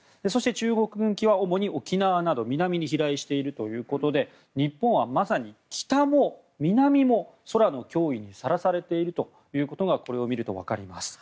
中国軍機は主に沖縄など南に飛来しているということで日本はまさに北も南も空の脅威にさらされていることがこれを見ると分かります。